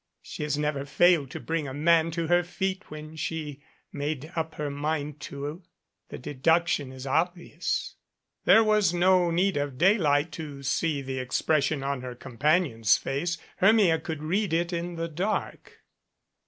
She has never failed to bring a man to her feet when she made up her mind to. The deduction is obvious." There was no need of daylight to see the expression on her companion's face. Hermia could read it in the dark.